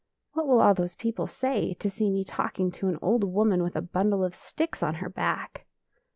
" What will all those people say, to see me talking to an old woman with a bundle of sticks on her back!"